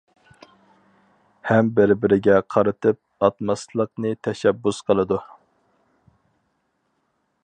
ھەم بىر-بىرىگە قارىتىپ ئاتماسلىقنى تەشەببۇس قىلىدۇ.